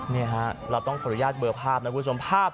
เราต้องขออนุญาตเบอร์ภาพนะครับคุณผู้ชม